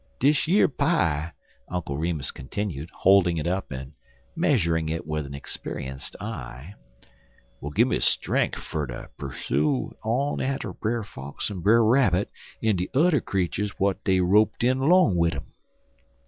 Dish yer pie," Uncle Remus continued, holding it up and measuring it with an experienced eye, "will gimme strenk fer ter persoo on atter Brer Fox en Brer Rabbit en de udder creeturs w'at dey roped in 'long wid um."